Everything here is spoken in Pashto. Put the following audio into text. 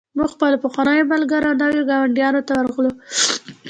موږ خپلو پخوانیو ملګرو او نویو ګاونډیانو ته ورغلو